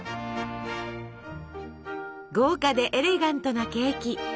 豪華でエレガントなケーキ。